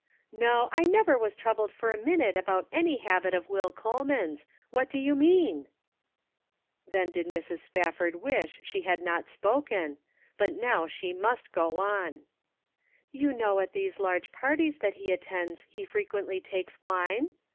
"No, I never was troubled for a minute about any habit of Will Coleman's. What do you mean ?" Then did Mrs. Spafford wish she had not spoken, but now she must go on. "You know at these large parties that he attends he frequently takes wine